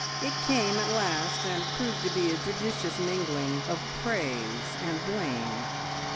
It came at last, and proved to be a judicious mingling of praise and blame.